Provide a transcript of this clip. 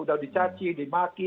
sudah dicaci dimaki